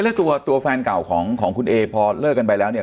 แล้วตัวแฟนเก่าของคุณเอพอเลิกกันไปแล้วเนี่ย